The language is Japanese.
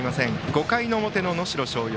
５回の表の能代松陽。